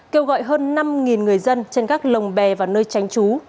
kêu gọi hơn năm người dân trên các lồng bè vào nơi tránh trú